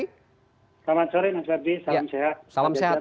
selamat sore mas ferdi salam sehat